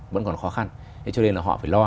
vẫn còn khó khăn thế cho nên là họ phải lo